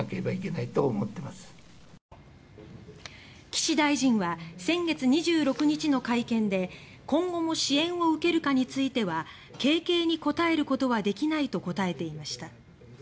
岸大臣は、先月２６日の会見で今後も支援を受けるかについては軽々に答えることはできないと答えていました。